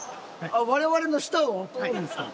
我々の下を通るんですか？